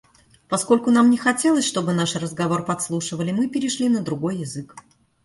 Поскольку нам не хотелось, чтобы наш разговор подслушивали, мы перешли на другой язык.